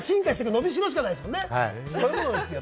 のびしろしかないですもんね。